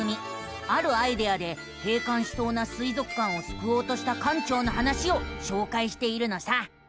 あるアイデアで閉館しそうな水族館をすくおうとした館長の話をしょうかいしているのさ。